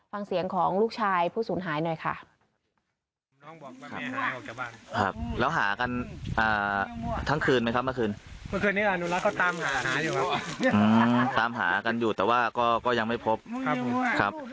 ฟังเสียงของลูกชายผู้สูญหายหน่อยค่ะ